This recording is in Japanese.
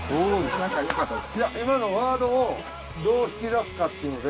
いや今のワードをどう引き出すかっていうので。